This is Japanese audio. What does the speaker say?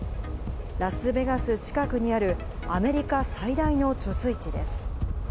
ラスベガス近くにあるアメリカ最大の貯水池です。